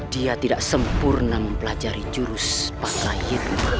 dia tidak sempurna mempelajari ilmu dan jurus patra hitam